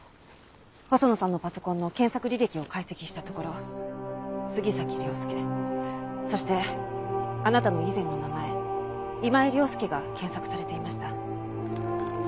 細野さんのパソコンの検索履歴を解析したところ「杉崎涼介」そしてあなたの以前の名前「今井涼介」が検索されていました。